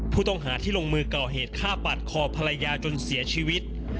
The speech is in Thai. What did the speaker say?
ผู้ต้องหาที่ลงมือก่อเหตุฆ่าปาดคอภรรยาจนเสียชีวิต